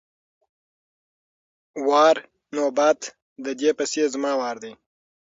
وار= نوبت، د دې پسې زما وار دی!